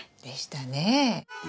でしたね。